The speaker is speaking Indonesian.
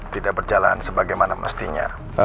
tidak berjalan sebagaimana mestinya